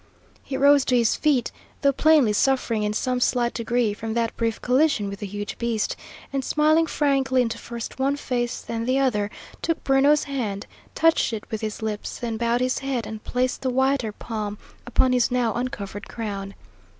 He rose to his feet, though plainly suffering in some slight degree from that brief collision with the huge beast, and smiling frankly into first one face, then the other, took Bruno's hand, touched it with his lips, then bowed his head and placed the whiter palm upon his now uncovered crown.